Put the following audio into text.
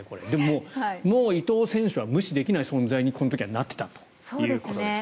でも、伊藤選手は無視できない存在にこの時なっていたということですね。